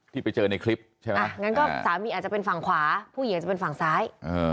ที่ไปเจอในคลิปใช่ไหมงั้นก็สามีอาจจะเป็นฝั่งขวาผู้หญิงอาจจะเป็นฝั่งซ้าย